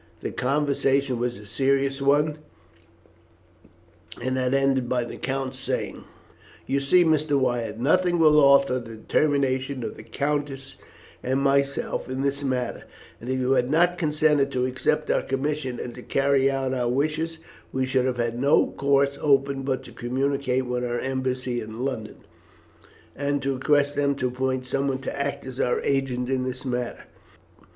The conversation was a serious one, and had ended by the count saying: "You see, Mr. Wyatt, nothing will alter the determination of the countess and myself in this matter; and if you had not consented to accept our commission and to carry out our wishes, we should have had no course open but to communicate with our embassy in London, and to request them to appoint someone to act as our agent in the matter.